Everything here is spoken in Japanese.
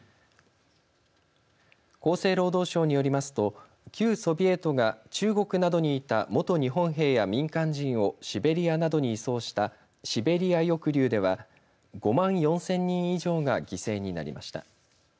厚生労働省によりますと旧ソビエトが中国などにいた元日本兵や民間人をシベリアなどに移送したシベリア抑留では５万４０００人以上が犠牲になりました。